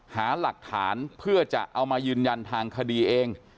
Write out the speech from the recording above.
หาหลักฐานเพื่อจะเอามายืนยันทางคดีเอง